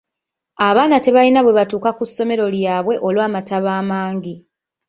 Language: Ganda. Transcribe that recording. Abaaana tebalina bwe batuuka ku ssomero lyabwe olw'amataba amangi.